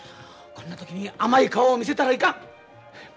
こんな時に甘い顔を見せたらいかん！